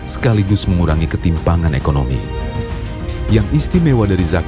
sekaligus mengurangi ketimpangan ekonomi yang istimewa dari zakat